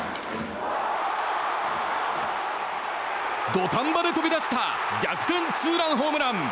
土壇場で飛び出した逆転ツーランホームラン！